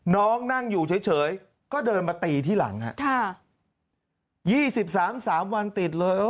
นั่งอยู่เฉยก็เดินมาตีที่หลังฮะค่ะ๒๓๓วันติดเลย